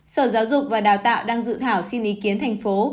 sở giáo dục và đào tạo đang dự thảo xin ý kiến thành phố